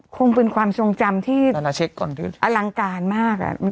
คงเป็นความทรงจำที่อลังการมาก